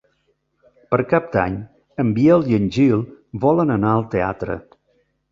Per Cap d'Any en Biel i en Gil volen anar al teatre.